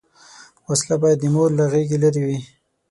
وسله باید د مور له غېږه لرې وي